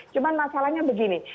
cuma masalahnya begini